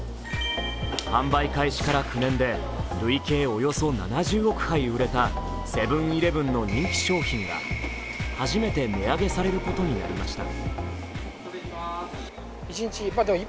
販売開始から９年で累計およそ７０億杯売れたセブン−イレブンの人気商品が初めて値上げされることになりました。